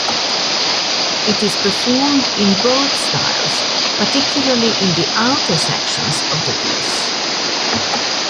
It is performed in both styles, particularly in the outer sections of the piece.